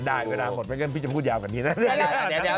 ได้เวลาหมดไม่งั้นพี่จะพูดยาวกว่านี้นะ